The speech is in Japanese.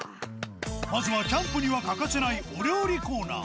まずはキャンプには欠かせない、お料理コーナー。